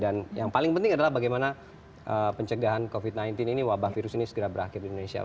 dan yang paling penting adalah bagaimana pencegahan covid sembilan belas ini wabah virus ini segera berakhir di indonesia